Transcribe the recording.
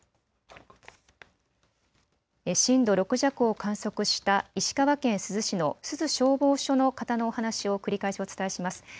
震度６弱を観測した石川県珠洲市の珠洲消防署の方のお話を繰り返しお伝えします。